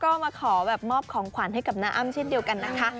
ก็มาขอแบบมอบของขวัญให้กับน้าอ้ำเช่นเดียวกันนะคะ